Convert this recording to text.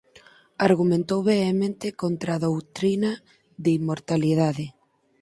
Argumentou vehementemente contra a doutrina de inmortalidade.